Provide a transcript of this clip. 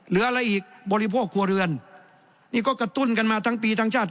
เหลืออะไรอีกบริโภคครัวเรือนนี่ก็กระตุ้นกันมาทั้งปีทั้งชาติ